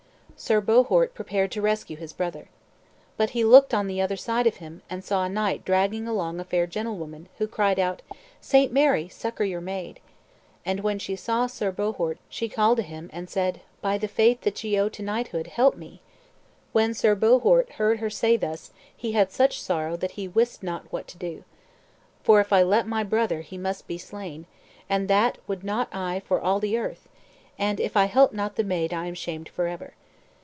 Sir Bohort prepared to rescue his brother. But he looked on the other side of him, and saw a knight dragging along a fair gentlewoman, who cried out, "Saint Mary! succor your maid!" And when she saw Sir Bohort, she called to him, and said, "By the faith that ye owe to knighthood, help me!" When Sir Bohort heard her say thus he had such sorrow that he wist not what to do. "For if I let my brother be he must be slain, and that would I not for all the earth; and if I help not the maid I am shamed for ever."